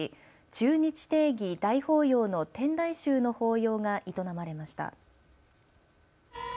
中日庭儀大法要の天台宗の法要が営まれました。